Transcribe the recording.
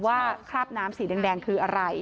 คราบน้ำสีแดงคืออะไร